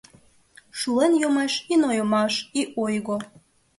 Шулен йомеш и нойымаш, и ойго –